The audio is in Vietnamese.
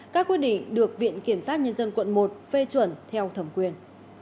các quyết định được viện kiểm sát nhân dân quận một phê chuẩn theo thẩm quyền